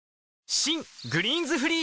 新「グリーンズフリー」